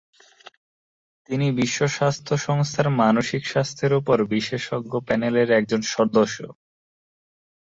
তিনি বিশ্ব স্বাস্থ্য সংস্থার মানসিক স্বাস্থ্যের উপর বিশেষজ্ঞ প্যানেলের একজন সদস্য।